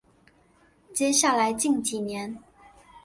接下来近几年